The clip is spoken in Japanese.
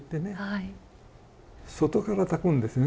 外からたくんですね。